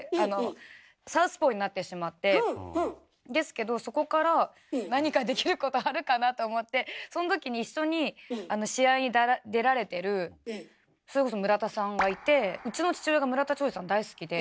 ですけどそこから何かできることあるかなと思ってその時に一緒に試合に出られてるそれこそ村田さんがいてうちの父親が村田兆治さん大好きで。